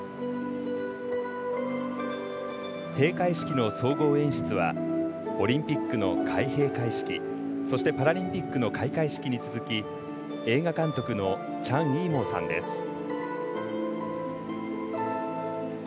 閉会式の総合演出はオリンピックの開閉会式パラリンピックの開会式に続き映画監督のチャン・イーモウさんです。